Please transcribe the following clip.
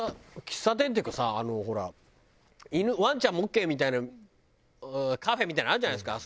喫茶店っていうかさあのほらワンちゃんもオーケーみたいなカフェみたいなのあるじゃないですか。